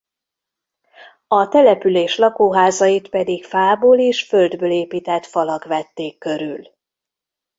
A település lakóházait pedig fából és földből épített falak vették körül.